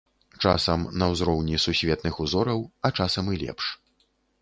Часам на ўзроўні сусветных узораў, а часам і лепш.